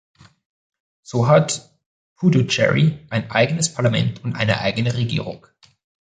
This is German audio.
So hat Puducherry ein eigenes Parlament und eine eigene Regierung.